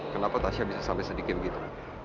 kenapa tasya bisa sampai sedikit begitu